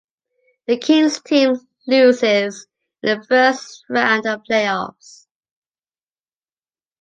The Kings team loses in the first round of playoffs.